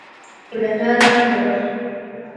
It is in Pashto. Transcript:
رڼا راغله.